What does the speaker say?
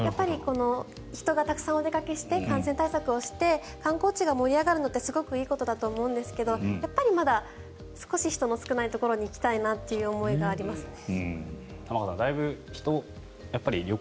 人がたくさんお出かけして感染対策をして観光地が盛り上がるのってすごくいいことだと思うんですがやっぱりまだ少し人の少ないところに行きたいなという思いがありますね。